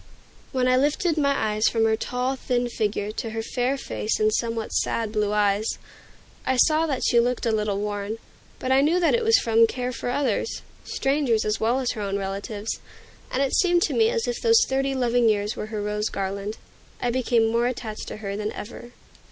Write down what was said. When I lifted my eyes from her tall, thin figure to her fair face and somewhat sad blue eyes, I saw that she looked a little worn; but I knew that it was from care for others, strangers as well as her own relatives; and it seemed to me as if those thirty loving years were her rose garland. I became more attached to her than ever.